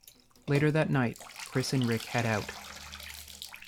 Later that night, Chris and Rick head out.